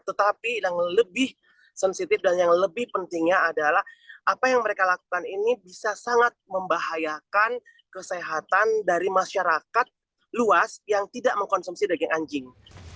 tetapi yang lebih sensitif dan yang lebih pentingnya adalah apa yang mereka lakukan ini bisa sangat membahayakan kesehatan dari masyarakat luas yang tidak mengkonsumsi daging anjing